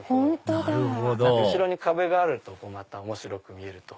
なるほど後ろに壁があるとまた面白く見えると。